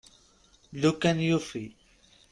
Lukan yufi.